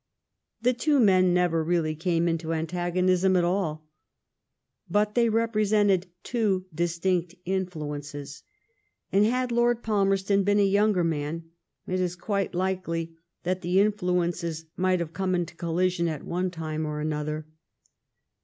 The two men never really came into antagonism at all. But they represented two distinct influences, and had Lord Palmerston been a younger man it is quite likely that the influences might have come into collision at one time or another.